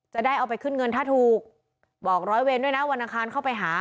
จะได้เอาไปขึ้นเงินถ้าถูกบอกร้อยเวรด้วยนะวันอังคารเข้าไปหา